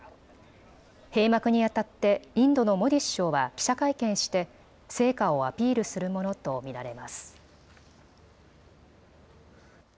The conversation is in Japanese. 閉幕にあたってインドのモディ首相は記者会見して成果をアピールするものと見られます。